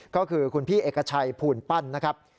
ก็คือคุณพี่เอกชัยภูลปั้นนะครับ